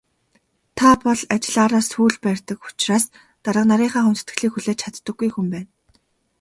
Та бол ажлаараа сүүл барьдаг учраас дарга нарынхаа хүндэтгэлийг хүлээж чаддаггүй хүн байна.